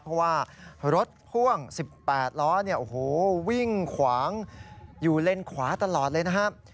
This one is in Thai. เพราะว่ารถพ่วง๑๘ล้อวิ่งขวางอยู่เลนขวาตลอดเลยนะครับ